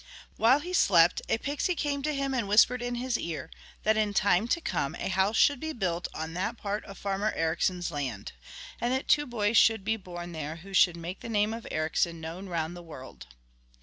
While he slept a pixie came to him and whispered in his ear that in time to come a house should be built on that part of farmer Ericsson's land, and that two boys should be born there who should make the name of Ericsson known round the world.